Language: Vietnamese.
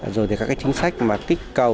rồi thì các cái chính sách mà tích cầu